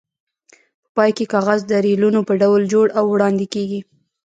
په پای کې کاغذ د ریلونو په ډول جوړ او وړاندې کېږي.